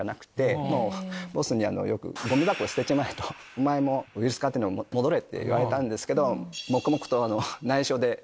「おまえもウイルスＣＡＲ−Ｔに戻れ」って言われたんですけど黙々と。